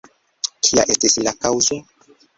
Kia estis la kaŭzo?